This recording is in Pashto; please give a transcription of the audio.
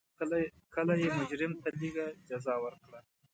کله یې مجرم ته لږه جزا ورکړه.